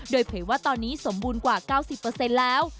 โดยเผยว่าตอนนี้สมบูรณ์กว่า๙๐แล้ว